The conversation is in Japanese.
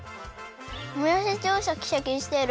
もやしちょうシャキシャキしてる！